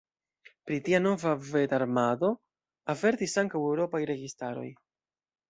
Pri tia nova vetarmado avertis ankaŭ eŭropaj registaroj.